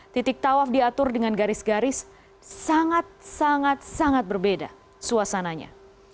titik tawaf diatur dengan garis garis sangat sangat berbeda suasananya